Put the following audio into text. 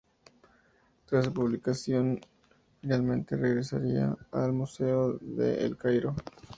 Tras su publicación, finalmente regresaría al Museo de El Cairo.